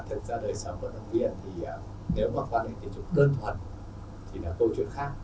thật ra đời sống của vận động viên thì nếu mà quan hệ tình dục cơn thuật thì là câu chuyện khác